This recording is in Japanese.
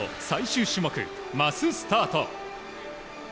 最終種目マススタート。